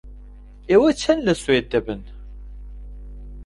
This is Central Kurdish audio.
ئێوە چەند لە سوید دەبن؟